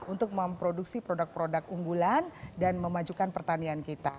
untuk memproduksi produk produk unggulan dan memajukan pertanian kita